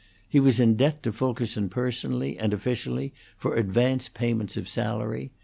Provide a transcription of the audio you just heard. He was in debt to Fulkerson personally and officially for advance payments of salary.